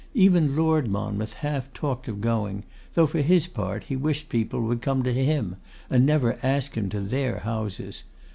Even Lord Monmouth half talked of going, though, for his part, he wished people would come to him, and never ask him to their houses.